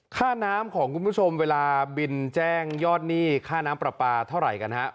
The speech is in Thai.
ค่าน้ำของคุณผู้ชมเวลาบินแจ้งยอดหนี้ค่าน้ำปลาปลาเท่าไหร่กันฮะ